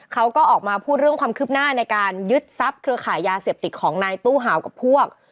เขาก็ออกมาพูดเรื่องความคืบหน้าในการยึดทรัพย์เครือขายยาเสพติดของนายตู้หาวกับพวก